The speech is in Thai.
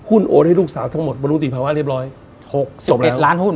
หุ้นโอนให้ลูกสาวทั้งหมดบริษัทภาวะเรียบร้อยจบแล้ว๖๑๑ล้านหุ้น